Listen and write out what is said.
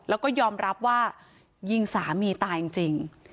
แล้วก็ยอมรับว่ายิงสามีตายจริง